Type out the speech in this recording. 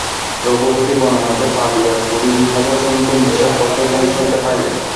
রঘুপতি বনের মধ্যে পা দিয়াই কুড়ি হাজার সৈনিকের নিশ্বাস-প্রশ্বাস যেন শুনিতে পাইলেন।